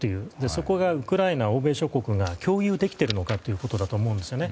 そこをウクライナ、欧米諸国が共有できているかということだと思うんですね。